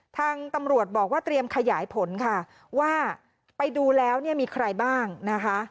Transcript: ทางตำรวจบอกว่าเตรียมขยายผลค่ะว่าไปดูแล้วเนี่ยมีใครบ้างนะคะ